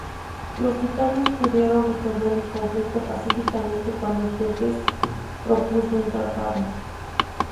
Los Titanes pudieron resolver el conflicto pacíficamente cuando Tempest propuso un tratado.